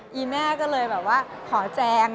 อีแม่ก็เลยแบบว่าขอแจง